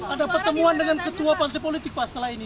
ada pertemuan dengan ketua partai politik pak setelah ini